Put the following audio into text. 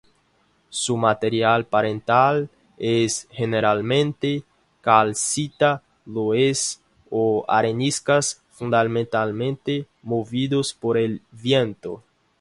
Su material parental es generalmente calcita, loess, o areniscas, fundamentalmente movidos por el viento.